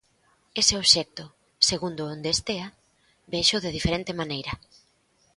Ese obxecto, segundo onde estea, véxoo de diferente maneira.